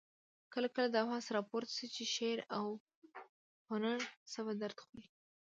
کله کله دا بحث راپورته شي چې شعر او هنر څه په درد خوري؟